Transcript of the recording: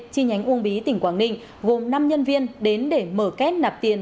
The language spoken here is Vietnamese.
chi nhánh uông bí tỉnh quảng ninh gồm năm nhân viên đến để mở két nạp tiền